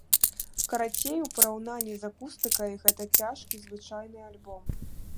Карацей, у параўнанні з акустыкай гэта цяжкі звычайны альбом.